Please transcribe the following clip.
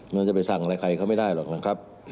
มันจะไปสั่งอะไรใครเขาไม่ได้หรอกนะครับ